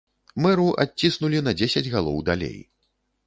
Мэру адціснулі на дзесяць галоў далей.